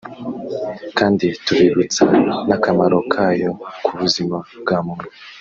kandi tubibutsa n’akamaro kayo ku buzima bwa muntu